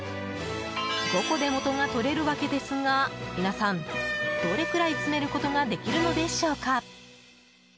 ５個でもとが取れるわけですが皆さん、どれくらい詰めることができるのでしょうか。